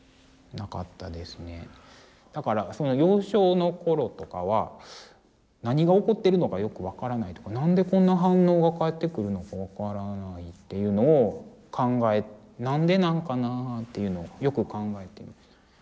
だから幼少の頃とかは何が起こってるのかよく分からないとか何でこんな反応が返ってくるのか分からないっていうのを何でなんかなっていうのをよく考えてました。